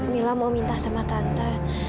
mila mau minta sama tante